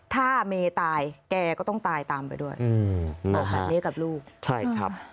ถ้าเมตายแกก็ต้องตายตามไปด้วยอืมนะฮะเมกับลูกใช่ครับ